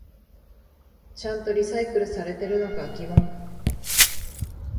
ちゃんとリサイクルされてるのか疑問